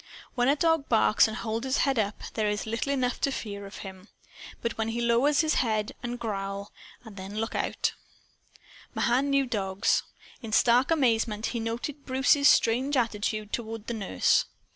When a dog barks and holds his head up, there is little enough to fear from him. But when he lowers his head and growl then look out. Mahan knew dogs. In stark amazement he now noted Bruce's strange attitude toward the nurse.